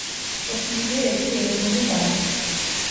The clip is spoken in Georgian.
შექმნილია ექვსი ეროვნული პარკი.